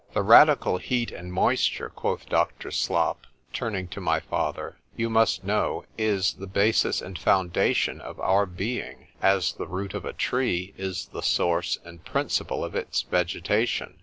—— The radical heat and moisture, quoth Doctor Slop, turning to my father, you must know, is the basis and foundation of our being—as the root of a tree is the source and principle of its vegetation.